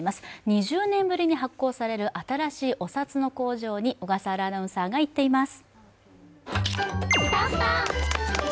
２０年ぶりに発行される新しいお札の工場に小笠原アナウンサーが行っています。